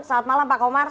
selamat malam pak komar